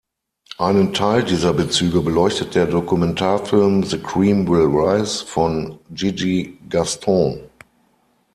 Einen Teil dieser Bezüge beleuchtet der Dokumentarfilm "The Cream Will Rise" von Gigi Gaston.